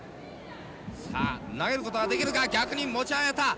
さあ、投げることはできるか逆に持ち上げた！